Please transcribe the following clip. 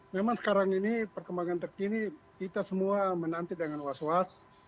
memang sekarang ini perkembangan terkini kita semua menanti dengan was was